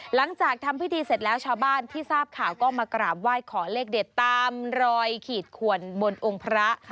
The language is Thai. หลังจากทำพิธีเสร็จแล้วชาวบ้านที่ทราบข่าวก็มากราบไหว้ขอเลขเด็ดตามรอยขีดขวนบนองค์พระ